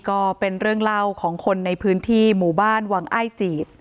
ก็เป็นเรื่องเล่าของคนในพื้นที่หมู่บ้านวังอ้ายจีด